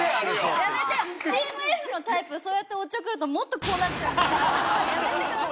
やめてチームＦのタイプそうやっておちょくるともっとこうなっちゃうんでやめてください